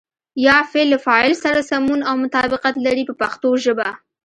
یا فعل له فاعل سره سمون او مطابقت لري په پښتو ژبه.